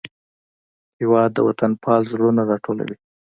هېواد د وطنپال زړونه راټولوي.